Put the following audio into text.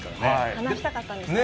話したかったんですかね。